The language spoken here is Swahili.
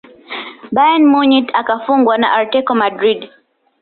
bayern munich kafungwa na atletico madrid